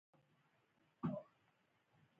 د ګیدړې لکۍ اوږده او ښکلې وي